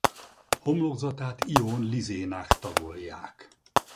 Homlokzatát ión lizénák tagolják.